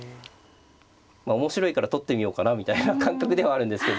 面白いから取ってみようかなみたいな感覚ではあるんですけど。